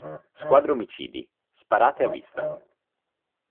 Squadra omicidi, sparate a vista!